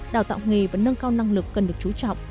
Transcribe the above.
đào tạo nghề và nâng cao năng lực cần được chú trọng